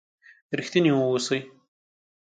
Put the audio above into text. رښتيني و اوسئ!